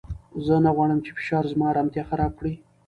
زه نه غواړم چې فشار زما ارامتیا خراب کړي.